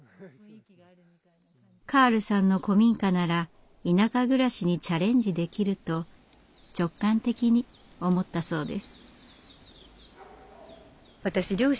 カールさんの古民家なら田舎暮らしにチャレンジできると直感的に思ったそうです。